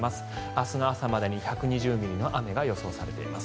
明日の朝までに１２０ミリの雨が予想されています。